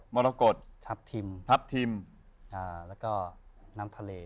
มรกดทัพทิมแล้วก็น้ำทะเล